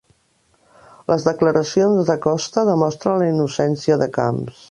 Les declaracions de Costa demostren la innocència de Camps